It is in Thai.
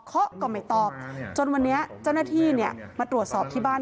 ก็ไม่ตอบจนวันนี้เจ้าหน้าที่มาตรวจสอบที่บ้าน